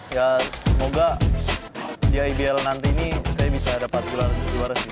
ya semoga di ibl nanti ini saya bisa dapat gelar juara sih